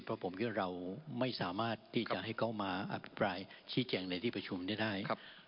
เพราะผมคิดว่าเราไม่สามารถที่จะให้เขามาอภิปรายชี้แจงในที่ประชุมได้